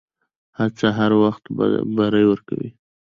هڅه هر وخت بری ورکوي.